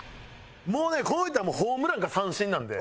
もうねこの人はホームランか三振なんで。